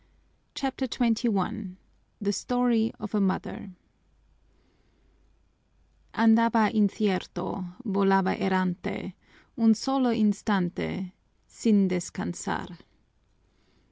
CHAPTER XXI The Story of a Mother Andaba incierto volaba errante, Un solo instante sin descansar.